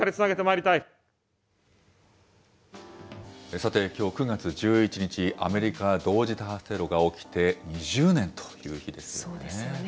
さて、きょう９月１１日、アメリカ同時多発テロが起きて２０年という日そうですよね。